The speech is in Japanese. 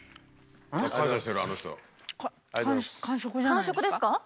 完食ですか？